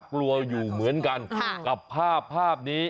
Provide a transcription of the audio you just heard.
กลัวอยู่เหมือนกันกับภาพภาพนี้